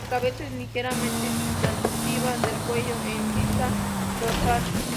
La cabeza es ligeramente distintiva del cuello en vista dorsal.